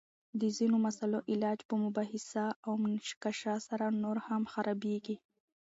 د ځینو مسائلو علاج په مباحثه او مناقشه سره نور هم خرابیږي!